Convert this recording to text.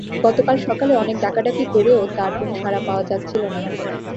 গতকাল সকালে অনেক ডাকাডাকি করেও তার কোনো সাড়া পাওয়া যাচ্ছিল না।